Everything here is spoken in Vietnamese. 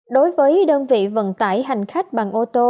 đối với đơn vị vận tải hành khách bằng ô tô